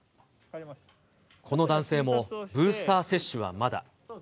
この男性も、ブースター接種はまだ。